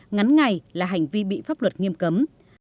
ngắn ngày là hành vi bị pháp luật nghiêm cấm